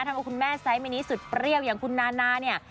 ว่าคุณแม่ไซส์มินิสุดเปรี้ยวอย่างคุณนานาเนี่ย